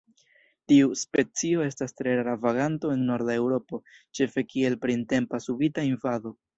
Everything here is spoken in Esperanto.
Tiu specio estas tre rara vaganto en norda Eŭropo, ĉefe kiel printempa subita invado.